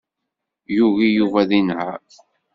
Yugi Yuba ad yenheṛ.